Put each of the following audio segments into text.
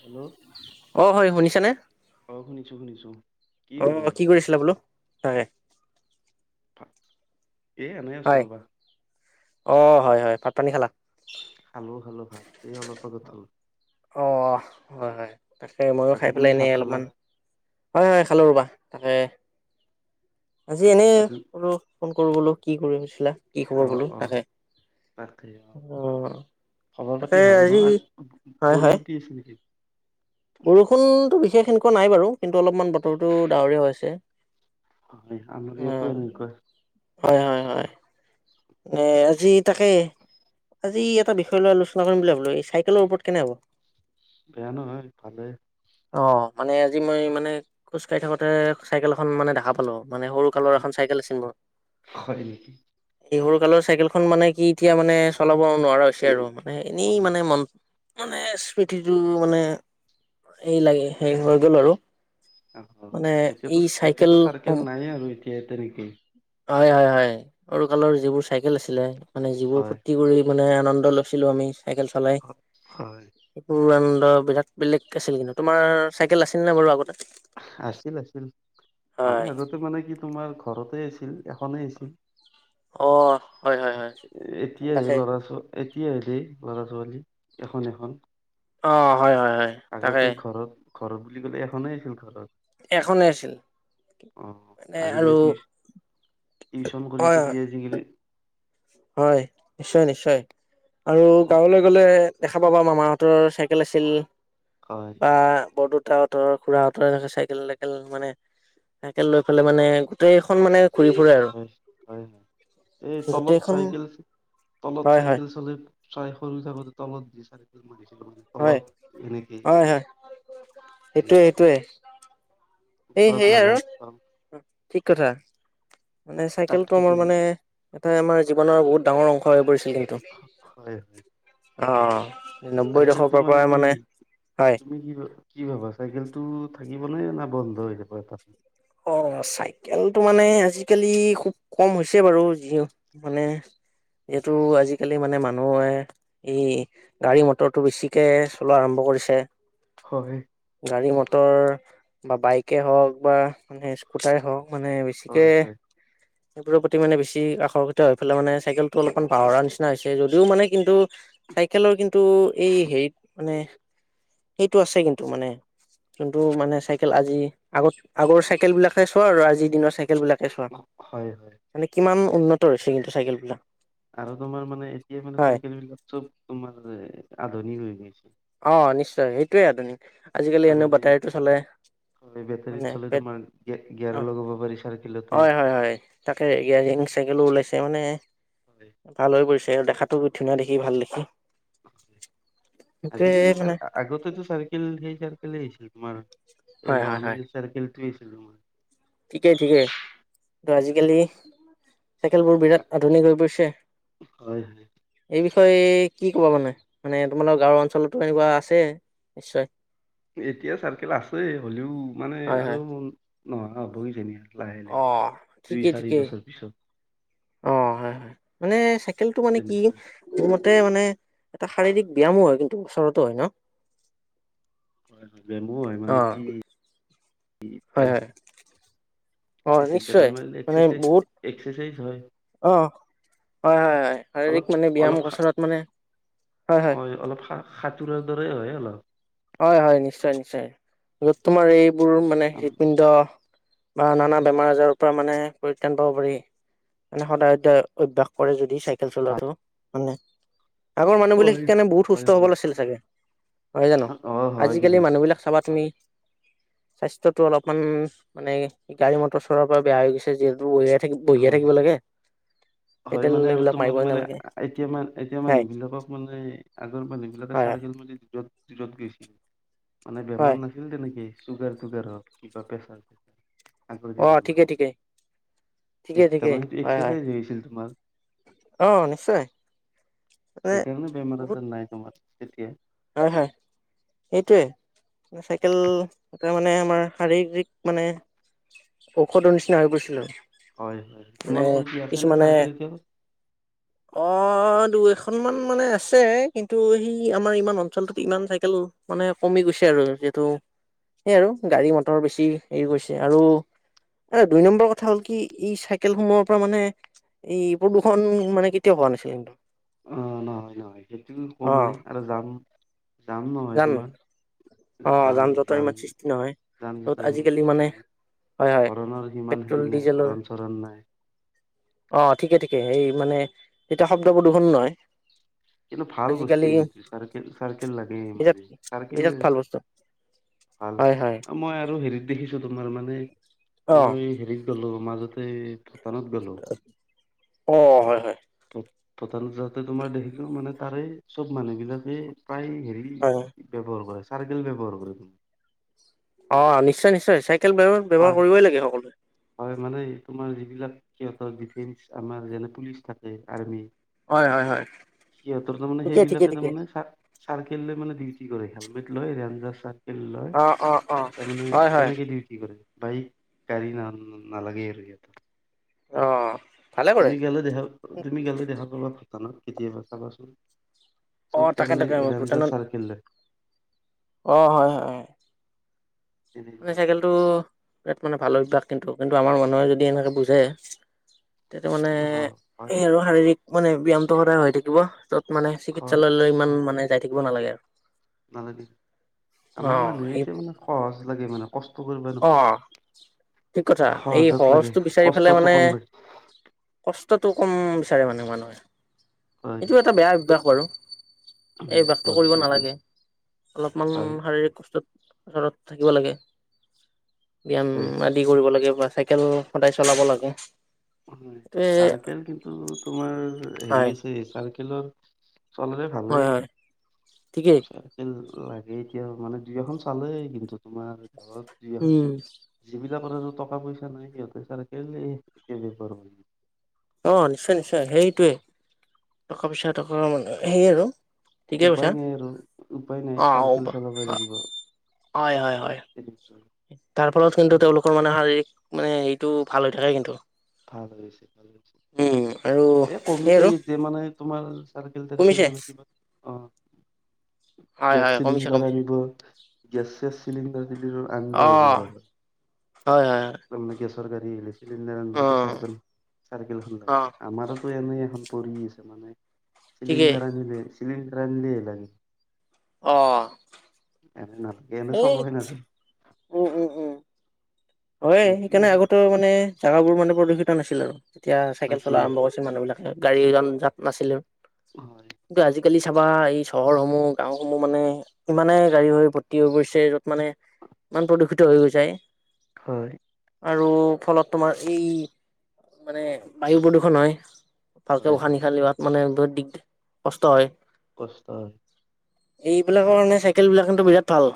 Hello. অ হৰি শুনিছানে? অ শুনিছো শুনিছো কি অ, খবৰ কি কৰিছিলা বোলো? হয় হয়। এই এনেই হয় আছো ৰ'বা। অ হয় হয়। ভাত-পানী খালা? খালো খালো ভাত এই অলপ আগত হ'ল। অ হয় হয়, তাকে মইয়ো বাকী খাই তুমি পেলাই এনে ভাত খালা অলপমান হয় হয় খালো ৰ'বা। তাকে আজি এনেই বাকী বোলো ফোন কৰো বোলো কি কৰিছিলা, কি খবৰ অ বোলো অ তাকে তাকে অ, খবৰ তাকে পাতি ভাল আজি নহ। বৰষুণ দি আছে নিকি? বৰষুণটো বিশেষ এনেকুৱা নাই বাৰু কিন্তু অলপমান বতৰটো ডাৱৰীয়া হৈছে। হয়, আমাৰ ইয়াতো উম এনেকোৱা। হয় হয় হয়। নে আজি তাকে আজি এটা বিষয় লৈ আলোচ চনা কৰিম বুলি ভাবিলো। এই চাইকেলৰ ওপৰত কেনে হ'ব? বেয়া নহয় ভালেই। অ মানে আজি মই মানে খোজকাঢ়ি থাকোতে চাইকেল এখন মানে দেখা পালো মানে সৰু কালৰ এখন চাইকেল আছিল মোৰ। হয় নিকি। সেই সৰু কালৰ চাইকেলখন মানে কি এতিয়া মানে চলাব নোৱাৰা হৈছে আৰু মানে এনেই হয় মানে ইমান মানে স্মৃতিটো মানে এই লাগে হেৰি হৈ গ'ল আৰু। অ অ। মানে এতিয়াটো এই এতিয়াটো চাইকেল উম নাইয়ে আৰু এতিয়া তেনেকে। হয় হয় হয় সৰু কালৰ যিবোৰ চাইকেল আছিলে মানে যিবোৰ হয় ফূৰ্তি ৰ্তি কৰি মানে আনন্দ লৈছিলো আমি চাইকেল চলাই হয় সেইবোৰ আনন্দ বিৰাট বেলেগ আছিল কিন্তু। তোমাৰ চাইকেল আছিল নে বাৰু আগতে? আছিল আছিল মানে হয়, আগতে মানে কি তোমাৰ ঘৰতে আছিল এখনেই আছিল। অ', হয়, হয়, হয় এতিয়াহে তাকে ল'ৰা-ছোৱা এতিয়াহে দেই ল'ৰা-ছোৱালী এখন এখন। অ', হয়, হয়, হয়, তাকে আগতে ঘৰত ঘৰত বুলি ক'লে এখনেই আছিল ঘৰত। এখনেই আছিল অ মানে আৰু টিউশ্যন কৰি হয়, হয়, পিনি আজিকালি হয় নিশ্চয় নিশ্চয় আৰু অ গাঁৱলে গ'লে দেখা পাবা মামাহঁতৰ চাইকেল আছিল, হয়। বা বৰদেউতাহঁতৰ, খুৰাহঁতৰ এনেকে চাইকেল-তাইকেল মানে চাইকেল লৈ পেলাই মানে গোটেইখন মানে ঘূৰি ফুৰে আৰু। হয় হয় হয়। এই তলত গোটেইখন চাইকেল তলত হয়, হয়, চাইকেল চলাই হয় সৰু থাকোতে তলত দি চাইকেল মাৰিছিলো মানে। হয়, তলত এনেকে হয়, হয়, হেৰি সেইটোৱে, কৰি। সেইটোৱে এই ওপৰত সেয়াই আৰু লাগাল পাম ঠিক কথা মানে চাইকেলটো তাকেইতো আমাৰ মানে এটা আমাৰ জীৱনৰ বহুত ডাঙৰ অংশ হৈ পৰিছিল কিন্তু। [unintelligible] অ অ। চাইকেলটো মানে কি হয়। তুমি কি ভা কি ভাবা চাইকেলটো থাকিবনে নে বন্ধ হৈ যাব এটাত? অ চাইকেলটো মানে আজিকালি খুব কম হৈছে বাৰু যি মানে এইটো আজিকালি মানে মানুহে ই গাড়ী মটৰটো বেছিকে চলোৱা আৰম্ভ কৰিছে। হয়। গাড়ী মটৰ বা বাইকে হওক বা মানে স্কুটাৰে হওক মানে বেছিকে হয় হয় সেইবোৰৰ প্ৰতি মানে বেছি আকৰ্ষিত হৈ পেলাই মানে চাইকেলটো অলপমান পাহৰা নিচিনা হৈছে, যদিও মানে কিন্তু চাইকেলৰ কিন্তু এই হেৰিত মানে সেইটো আছে কিন্তু মানে যোনটো মানে চাইকেল আজি আগত আগৰ চাই চাইকেলবিলাকে চোৱা আৰু আজিৰ দিনৰ চাইকেলবিলাকে চোৱা। হয় হয় মানে কিমান উন্নত হৈছে কিন্তু চাইকেলবিলাক। আৰু তোমাৰ মানে এতিয়া মানে চাইকেল বিলাক চব তোমাৰ আধুনিক হৈ গৈছে। অ নিশ্চয়, সেইটোৱেই আধুনিক। আজিকালি এনেও বেটাৰিটো চলে। বেটাৰিট মানে চলে পেট তোমাৰ অ গি-গীয়াৰো লগাব পাৰি চাইকেলতে। হয় হয় হয় তাকে গিয়াৰিং চাইকেলো ওলাইছে মানে হয়। ভাল হৈ পৰিছে আৰু দেখাতো ধুনীয়া দেখি ভাল দেখি। সেইটোৱে আজিকালি মানে চাৰ আগতেতো চাৰকেল সেই চাৰকেলে আছিল তোমাৰ এই হয় হয় হয় নৰ্মেল চাৰকেলটোৱেই আছিল তোমাৰ। ঠিকেই ঠিকেই, ত' আজিকালি চাইকেলবোৰ বিৰাট আধুনিক হৈ পৰিছে। হয় হয় এই বিষয়ে কি ক'বা মানে? মানে তোমালোকৰ গাঁওৰ অঞ্চলতো এনেকুৱা আছে। নিশ্চয়। এতিয়া চাৰকেল আছে, হ'লেও মানে হয় হয় আৰু নোহোৱা হ'বই যেনিবা। লাহে অ লাহে, দুই ঠিকেই চাৰি ঠিকেই বছৰ পিছত। অ হয় হয়, মানে চাইকেলটো মানে কি তেনেকুৱা মোৰ মতে মানে এটা শাৰীৰিক ব্যয়ামো হয় কিন্তু ওচৰতো হয় ন? হয় হয়, [unintelligible] হয় মানে অ', কি পে- হয় হয়। অ', এইটো নিশ্চয় পেডল মাৰিল মানে এক্সাৰচাইজ বহুত এক্সাৰচাইজ হয়। অ হয় হয় হয়, অলপ শাৰীৰিক মানে ব্যায়াম অলপ কচৰৎ মানে হয় হয়। অলপ সা সাঁতোৰাৰ দৰেই হয় অলপ। হয় হয় নিশ্চয় নিশ্চয়, য'ত তোমাৰ এইবোৰ মানে কাম হৃদপিণ্ড বা নানা বেমাৰ আজাৰৰ পৰা মানে পৰিত্ৰাণ পাব পাৰি, মানে সদায় এটা অভ্যাস কৰে যদি চাইকেল ভাল চলােৱাটো মানে আগৰ মানুহবোৰে হয় সেইকাৰণে বহুত হয় সুস্থ হয় সবল আছিল চাগে, নহয় জানো? অ হয় আজিকালি কিজানি মানুহবিলাক চাবা তুমি হয় স্বাস্থ্যটো অলপমান মানে গাড়ী মটৰ চলাৰ পৰা বেয়া হৈ গৈছে, যিহেতু থাক বহিয়ে হয় থাকিব হয় লাগে। হয় পেটেল মানে আৰু এইবিলাক তোমাৰ মাৰিবই মানে নালাগে এতিয়া মান এতিয়া হয় মানুহবিলাকক মানে, আগৰ মানুহবিলাকে হয় চাৰকেল মাৰি দূৰত দূৰত গৈছিল, মানে হয় বেমাৰ না ছিল তেনেকে, চুগাৰ তুগাৰ হওক কিবা প্ৰেছাৰ চেচাৰ। আগৰ অ দিনত ঠিকে ঠিকে মানুহৰ। এ ঠিকে তাৰ ঠিকে মানে হয় হয় এক্সাৰচাইজ হৈ আছিল। তোমাৰ অ নিশ্চয় মানে সেইকাৰণে বেমাৰ বহুত আজাৰ নাই তোমাৰ। তেতিয়া। হয়, হয় সেইটোৱে। চাইকেল, এটা মানে, আমাৰ শাৰীৰিক মানে- ঔষধৰ নিচিনা হৈ গৈছিল আৰু। হয়ঁ হয়ঁ, তোমালোকৰ কি আছে নে চাইকেল এতিয়াও। অঁ দুই এখন মান মানে আছে, কিন্তু সেই আমাৰ ইমান- অঞ্চলটোত ইমান চাইকেল মানে কমি গৈছে আৰু যিহেতু- সেইয়াই আৰু গাড়ী মটৰ বেছি হেৰি কৰিছে, আৰু হয়। দুই নম্বৰ কথা- কথা হ'ল কি, ই চাইকেল সমূহৰ পৰা মানে ই প্ৰদূষণ মানে কেতিয়াও হোৱা নাছিলে কিন্তু। অঁ নহয়, নহয় সেইটো অ কমাই আৰু যাম যাম নহয় যান তোমাৰ। অ যাম, জঁটৰ যান ইমান সৃষ্টি নহয় যাম তত লিতয় ইংলিছ আজিকালি মানে হয় হয় ইষ্টিক হৰণৰ সিমান পেট্ৰল হেৰি নাই, হৰণ চৰণ নাই। অঁ ঠিকে ঠিকে, সেই মানে তেতিয়া, শব্দবোৰ প্ৰদূষণ নহয়। কিন্তু ভাল আজিকালি বস্তু চাৰ, চাইকেল লাগে বিৰাট মানে, চাইকেল- বিৰাট ভাল বস্তু ভাল, হয় হয় মই আৰু হেৰিত দেখিছো, তোমাৰ মানে অ মই হেৰিত- গলো, মাজতে ভূটানত গলো। অ হয় হয় তেত তালে যাওতে, তোমাৰ দেখিলো মানে- তাৰে চব মানুহবিলাকে প্ৰায় হেৰি, হয় ব্যৱহাৰ কৰে, চাইকেল ব্যৱহাৰ কৰে। অঁ নিশ্চয়, নিশ্চয় চাইকেল ব্যৱহাৰ কৰিবই লাগে সকলোৱে। হয়ঁ মানে, তোমাৰ যিবিলাক সিহঁতৰ ডিফেন্স আমাৰ যেনে পুলিচ থাকে আৰ্মি। হয়ঁ, হয়ঁ, হয়ঁ। সিহঁতৰ তাৰে সেইবিলাকে তাৰমানে, চাইকেল লৈ মানে ডিউটি কৰে, হেলমেট লয় ৰেঞ্জাৰ চা- লয়, অ অ অ তাৰমানে হয় হয় তেনেকে ডিউটি কৰে, বাইক- গাড়ী না, নালাগে আৰু সিহতক, অ ভালে কৰে তুমি গলে দেখা- তুমি গ'লে দেখা পাবা, ভূটানত কেতিয়াবা চাবাচোন। চব অ তাকে তাৰমানে তাকে ৰেঞ্জাৰ চাইকেলে। অঁ হয়ঁ, হয়ঁ। মানে তেনেকুৱা চাইকেলটো, বিৰাট মানে ভাল অভ্যাস কিন্তু, কিন্তু আমাৰ মানুহে যদি এনেকে বুজে- তেতিয়া মানে, অ হয় এই আৰু শাৰীৰিক মানে ব্যায়ামটো সদায় হৈ থাকিব তো- মানে হয় চিকিৎসালয়লৈ ইমান অ মানে যাই থাকিব নালাগে আৰু। নালাগে, অ আমাৰ মানুহে সেই এতিয়া মানে সহজ লাগে, মানে কষ্ট কৰি- অ ঠিক কথা এই সহজত লাগে, সহজটো বিচাৰি পেলাই মানে কষ্টটো কম লাগে। কষ্টটো কম বিচাৰে মানে মানুহে হয় এইটো এটা বেয়া অভ্যাস বাৰু। হয় এই বেয়া পোৱা অভ্যাসটো হৈছে কৰিব এইটো নালাগে অলপমান হয় শাৰীৰিক কষ্টত- ওচৰত থাকিব লাগে। ব্যায়াম হয় আদি কৰিব লাগে বা চাইকেল, সদায় চলাব লাগে। হয় এইটোৱে চাইকেলৰ কিন্তু তোমাৰ হেৰি হয় আছে চাৰ্কেলৰত- চলালে হয় ভালেই- হয় ঠিকেই। চাইকেল লাগে এতিয়া মানে দুই এখন চালেই কিন্তু তোমাৰ ঘৰত দুই এখন- উম যিবিলাকৰ মানুহৰ আৰু টকা পইচা নাই সিহঁতে ছাৰকেলে এতিয়া বেপাৰ হয়। অঁ নিশ্চয় নিশ্চয় হেৰিটোৱে টকা পইচা থকা মানে হেই আৰু- ঠিকে কৈছা উপায় নাই আৰু উপায় নাই চাৰ্কেল চলাবই লাগিব। হয়ঁ হয়ঁ হয়ঁ তেনেকুৱা তাৰ ফলত কিন্তু তেওঁলোক- এইটো মানে শাৰীৰিক মানে হেৰিটো ভাল হৈ থাকে কিন্তু- ভাল হৈছে ভাল হৈছে। উম আৰু এ সেই কমিছে আৰু যে মানে তোমাৰ চাৰ্কেল তাইকেল কমিছে মানে কিবা- হয় অ'গেছ হয় কমিছে চিলিণ্ডাৰ কমিছে আনিব গেছ চেচ চিলিণ্ডাৰ দিলি [unintelligible] আনব অ আহিব পাৰ। হয়, হয়, হয়। তমানে গেছৰ গাড়ী আহিলে চিলিণ্ডাৰ অ আনবলকে চাৰ্কল চাৰ্কেলখান অ লাগে আমাৰ ত' এনে এখন পৰি আছে মানে ঠিকেই চিলিণ্ডাৰ আনিলেই, চিলিণ্ডাৰ আনিলেহে লাগে। অ', এনে নালাগে। এনে চলোৱাই ধেইত নাযায় উম, উম, উম। হয় এইটোৱে সেইকাৰণে আৰু আগতেও মানে জোগাবোৰ মানে প্ৰদূষিত নাছিল আৰু তেতিয়া চাইকেল নাছিল চলা আৰম্ভ কৰি যে মানুহ বিলাকে গাড়ী [unintelligible] মাৰি নাছিলে। হয়। কিন্তু আজিকালি চাবা এই চহৰসমূহ গাওঁ সমূহ মানে ইমানে গাড়ী হৈ ভৰ্তি হৈ গৈছে য'ত মানে ইমান প্ৰদূষিত হৈ গৈছে হয়। আৰু ফলত তোমাৰ এই মানে বায়ু প্ৰদূষণ হয়। ভালকে হয় হয় উশাহ-নিশাহ লিৱাত মানে বহুত দিগ মানে কষ্ট হয়। কষ্ট হয়। এ-এইবিলাকৰ কাৰণে চাইকেল বিলাক কিন্তু বিৰাট ভাল।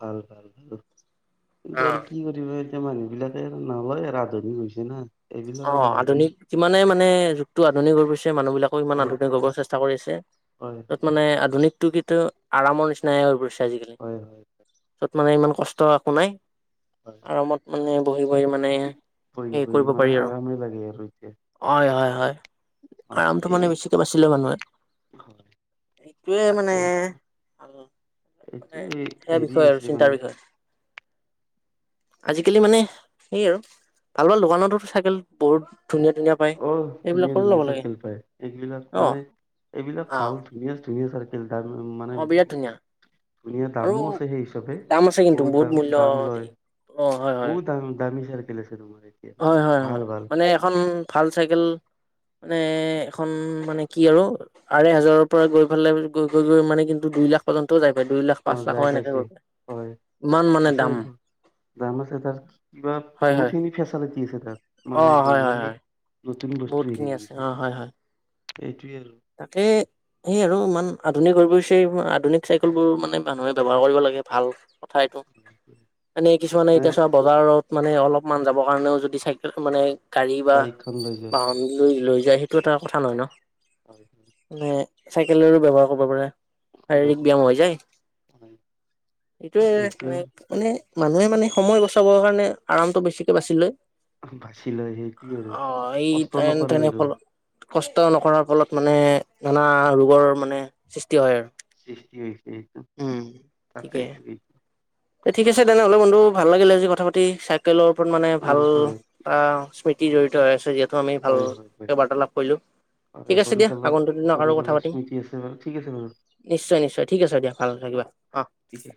ভাল, ভাল, ভাল কিন্তু আৰু কি [unintelligible] মানুহ বিলাকে আৰু নলয় আৰ আধুনিক হৈছে না। এইবিলাক আৰু অ' লাহে লাহে আধুনিক ইমানে মানে যুগটো আধুনিক হৈ গৈছে মানুহ বিলাকো ইমান হয় আধুনিক হ'ব চেষ্টা কৰি আছে। হয় ত'ত মানে আধুনিকটো কেতিয়াওঁ আৰামৰ নিচিনাইে হৈ পৰিছে আজিকালি হয় হয় ত'ত মানে ইমান কষ্ট একো নাই। হয় আৰামত মানে বহি, বহি মান বহি, বহি মানে আৰামেই লাগে আৰু এতিয়া। অয় হয়, হয় হয় আৰামটো এই মানে বেছিকে বাচি লব নোৱাৰি। হয় সেইটোৱে মানে তাকে এইটো [unintelligible] সেয়া হেৰি বিষয় আৰু হৈছে মানে চিন্তাৰ বিষয়। আজিকালি মানে সেই আৰু ভাল, ভাল দোকানতো চাইকেল বহুত ধুনীয়া, ধুনীয়া পায় অ' ধুনীয়া, এইবিলাকৰো ধুনীয়া ল'ব লাগে চাৰ্কেল পায় এইবিলাক অ মানে এইবিলাক অ ভাল ধুনীয়া ধুনীয়া চাৰকে [unintelligible] মানে অ বিৰাট ধুনীয়া ধুনীয়া আৰু দামো আছে সেই হিচাপে দাম আছে কিন্তু বহুত দাম- মূল্য দাম দি লয়। অ হয় হয় বহুত দাম দামি চাৰকেল আছে তোমাৰ। এতিয়া মানে হয়, হয়, ভাল হয় ভাল মানে এখন ভাল চাইকেল মানে এখন মানে কি আৰু আঢ়ে হাজাৰৰ পৰা গৈ ফালে গৈ, গৈ, গৈ মানে কিন্তু দুই লাখ পৰ্যন্তও যাই পাই দুই লাখ, অ পাঁচ লাখ যাই এনেকে পাইছে গৈ পায় হয় ইমান মানে আছে দাম দাম আছে তাৰ কিবা হয় হয় বহুতখিনি ফেচালিটি আছে তাত। অ মানে হয় হয় বৌগানিক হয় নতুন বহুত বস্তু খিনি হেৰি আছে কৰিছে অ হয় হয় এইটোৱে আৰু তাকে। সেই আৰু ইমান আধুনিক হৈ গৈ ছেই আধুনিক চাইকেল বোৰ মানে মানুহে ব্যৱহাৰ কৰিব লাগে ভাল কথা এইটো এনেই কিছুমানে মানে এতিয়া চোৱা নাই বজাৰওঁত মানে অলপমান যাবৰ কাৰণেও যদি চাইকেল মানে গাড়ী বা বাইকখন লৈ যায় বাহন লৈ, লৈ যায় সেইটো এটা কথা নহয় ন'। হয়। মানে চাইকেলৰো ব্যৱহাৰ কৰব পাৰা। শাৰীৰিক ব্যাম হৈ যায় হয়। এইটো এটোৱে [unintelligible] মানুহে মানে সময় বচাবৰ কাৰণে আৰামটো বেছিকে বাচি লয়। বাচি লয় সেইটোৱে আৰু অ', এই কষ্ট নকৰে তেন-তেনে আৰু ফলত কষ্ট নকৰাৰ ফলত, মানে নানা ৰোগৰ মানে সৃষ্টি হয় আৰু। সৃষ্টি হৈছে এইটো, উম তাকে [unintelligible] এ ঠিক আছে তেনে হলে বন্ধু ভাল লাগিলে আজি কথা পাতি, চাইকেলৰ ওপৰত মানে হয় ভাল আহ স্মৃতি জড়িত হৈ আছে যিহেতু আমি ভালকে বাৰ্তালাপ কৰিলো। অ', ঠিক আছে সৰু দিয়া কালৰ, আগন্তুক দিনত আৰু সৰু কথা কালৰ পাতিম স্মৃতি আছে বাৰু ঠিক আছে বাৰু। নিশ্চয়, নিশ্চয়। ঠিক আছে দিয়া, ভাল থাকিবা। অ ঠিকে।